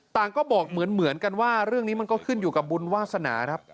ก็บอกเหมือนกันว่าเรื่องนี้มันก็ขึ้นอยู่กับบุญวาสนาครับ